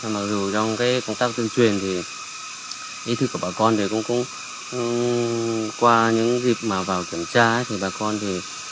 mặc dù trong công tác tuyên truyền thì ý thức của bà con thì cũng qua những dịp mà vào kiểm tra thì bà con thì